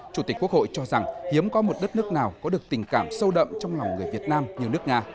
chủ tịch quốc hội cho rằng hiếm có một đất nước nào có được tình cảm sâu đậm trong lòng người việt nam như nước nga